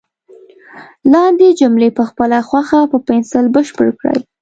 لاندې جملې په خپله خوښه په پنسل بشپړ کړئ.